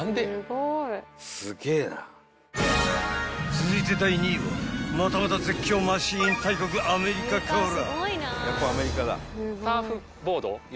［続いて第２位はまたまた絶叫マシン大国アメリカから］